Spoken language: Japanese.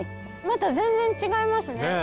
また全然違いますね！